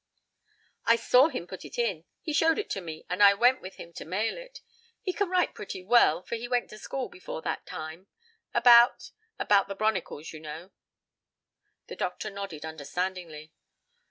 "I saw him put it in. He showed it to me, and I went with him to mail it. He can write pretty well, for he went to school before that time; about about the bronicles, you know." The doctor nodded understandingly.